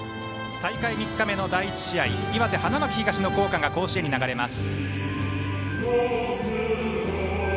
大会３日目の第１試合岩手・花巻東の校歌が甲子園に流れます。